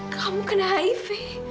kamu kena hiv